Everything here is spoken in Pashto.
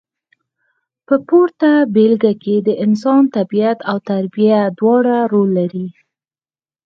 په پورته بېلګه کې د انسان طبیعت او تربیه دواړه رول لري.